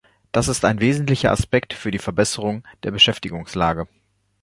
Das ist ein wesentlicher Aspekt für die Verbesserung der Beschäftigungslage.